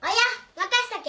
任せとけ。